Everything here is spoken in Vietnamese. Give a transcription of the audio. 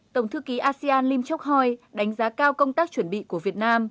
tổng thư ký asean lim chok hoi đánh giá cao công tác chuẩn bị của việt nam